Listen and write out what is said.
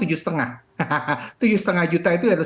tujuh lima juta itu adalah sujarah